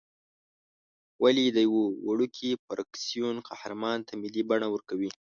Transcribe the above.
ولې د یوه وړوکي فرکسیون قهرمان ته ملي بڼه ورکوې.